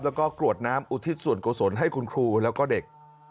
แล้วก็กรวดน้ำอุทิศส่วนกุศลให้คุณครูแล้วก็เด็ก